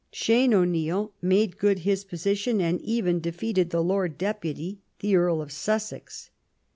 Shan O'Neill made good his position, and even defeated the Lord Deputy, the Earl of Sussex.